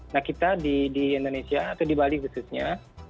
nah kita di indonesia atau di bali khususnya